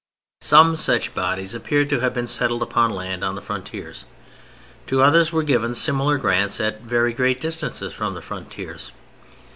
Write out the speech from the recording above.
Some such bodies appear to have been settled upon land on the frontiers, to others were given similar grants at very great distances from the frontiers.